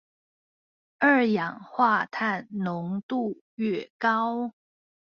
二氧化碳濃度愈高